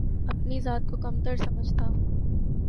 اپنی ذات کو کم تر سمجھتا ہوں